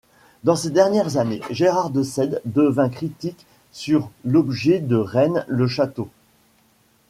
Dans ses dernières années, Gérard de Sède devint critique sur l'objet de Rennes-le-Château.